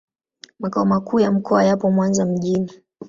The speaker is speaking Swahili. Makao makuu ya mkoa yapo Mwanza mjini.